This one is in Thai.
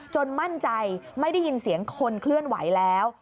มั่นใจไม่ได้ยินเสียงคนเคลื่อนไหวแล้ว